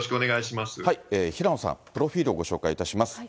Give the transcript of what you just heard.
平野さん、プロフィールをご紹介いたします。